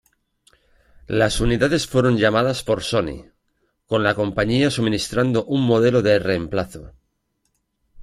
Las unidades fueron llamadas por Sony, con la compañía suministrando un modelo de reemplazo.